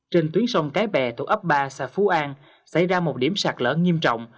trên tuyến sông cái bè thuộc ấp ba xã phú an xảy ra một điểm sạt lỡ nghiêm trọng